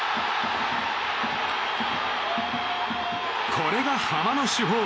これがハマの主砲！